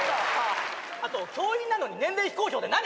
あと教員なのに年齢非公表って何？